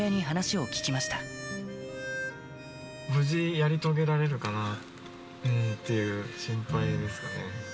無事、やり遂げられるかなっていう心配ですかね。